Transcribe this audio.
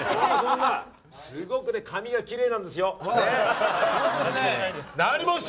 すごく髪が奇麗なんですよ。